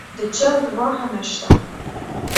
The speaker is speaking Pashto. د چرګ غوښه نه شته.